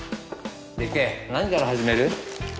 でケイ何から始める？